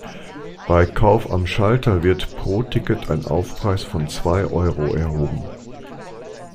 Bei Kauf am Schalter wird pro Ticket ein Aufpreis von zwei Euro erhoben.